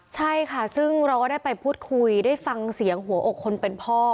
ใช่ค่ะซึ่งเราก็ได้ไปพูดคุยได้ฟังเสียงหัวอกคนเป็นพ่อ